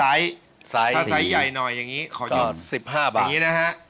สายสีขนาดสายใหญ่หน่อยอย่างนี้ขอยุ่ม๑๕บาทอย่างนี้นะฮะ